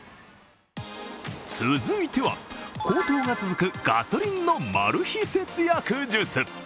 続いては、高騰が続くガソリンのマル秘節約術。